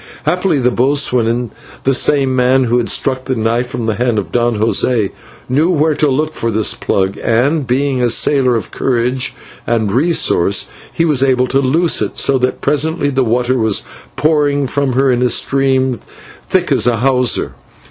Happily the boatswain, that same man who had struck the knife from the hand of Don José, knew where to look for this plug, and, being a sailor of courage and resource, he was able to loose it, so that presently the water was pouring from her in a stream thick as a hawser.